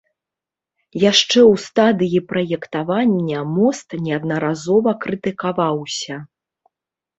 Яшчэ ў стадыі праектавання мост неаднаразова крытыкаваўся.